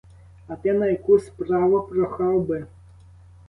А ти на яку справу прохав би?